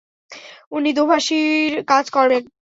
উনি দোভাষীর কাজ করবেন।